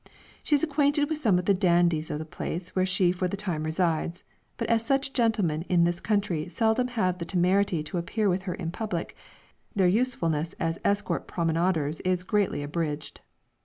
She is acquainted with some of the dandies of the place where she for the time resides, but as such gentlemen in this country seldom have the temerity to appear with her in public, their usefulness as escort promenaders is greatly abridged.